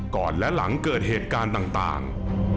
ก่อนและหลังเกิดเหตุการณ์ต่าง